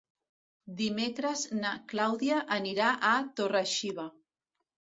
Dimecres na Clàudia anirà a Torre-xiva.